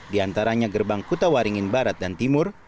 di antaranya gerbang kutawaringin barat dan timur